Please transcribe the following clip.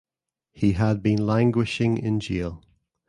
He had been languishing in jail.